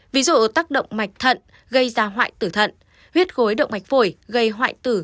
ví dụ tắc động mạch thận gây ra hoại tử thận huyết gối động mạch phổi gây hoại tử